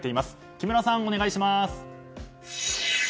木村さん、お願いします。